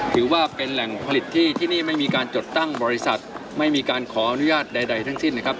ถือว่าเป็นแหล่งผลิตที่ที่นี่ไม่มีการจดตั้งบริษัทไม่มีการขออนุญาตใดทั้งสิ้นนะครับ